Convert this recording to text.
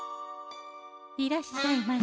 いらっしゃいまし。